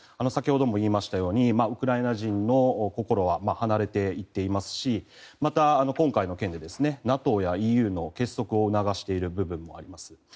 先ほども言いましたようにウクライナ人の心は離れていっていますしまた、今回の件でＮＡＴＯやＥＵの結束を促している部分もあります。